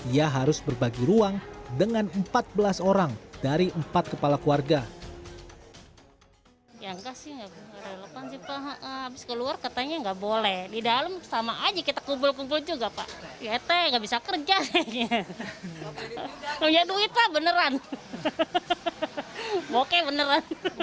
ia harus berbagi ruang dengan empat belas orang dari empat kepala keluarga